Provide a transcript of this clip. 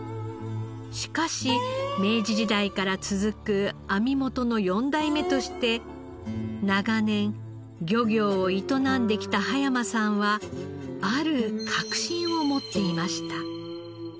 しかし明治時代から続く網元の４代目として長年漁業を営んできた葉山さんはある確信を持っていました。